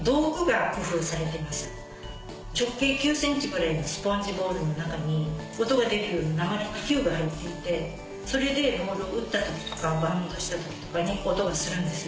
直径９ｃｍぐらいのスポンジボールの中に音が出るように鉛の球が入っていてそれでボールを打った時とかバウンドした時とかに音がするんです。